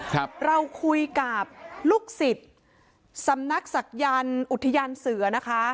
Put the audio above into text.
ครับเราคุยกับลูกศิษย์สำนักศักยันต์อุทยานเสือนะคะ